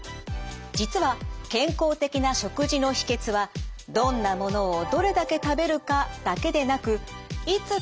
実は健康的な食事の秘けつはどんなものをどれだけ食べるかだけでなく「いつ」